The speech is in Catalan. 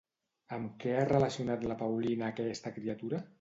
Amb què ha relacionat la Paulina aquesta criatura?